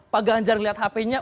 pak ganjar liat hpnya